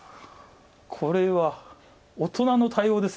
これは大人の対応です。